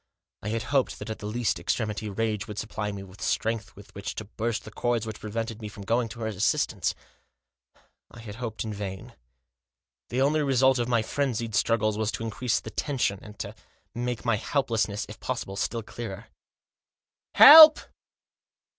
I had hoped that at the last extremity rage would supply me with strength with which to burst the cords which prevented me from going to her assistance. I had hoped in vain. The only result of my frenzied struggles was to increase the tension, and to make my helplessness, if possible, still clearer. " Help